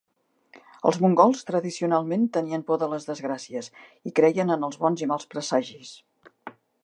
Els mongols tradicionalment tenien por de les desgràcies i creien en els bons i mals presagis.